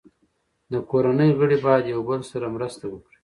د کورنۍ غړي باید یو بل سره مرسته وکړي.